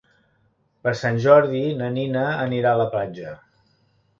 Per Sant Jordi na Nina anirà a la platja.